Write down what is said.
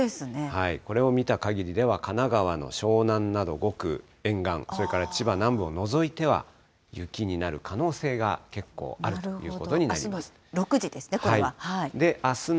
これを見たかぎりでは、神奈川の湘南などごく沿岸、千葉南部を除いては雪になる可能性が結構あるということになりまあすの６時ですね、これは。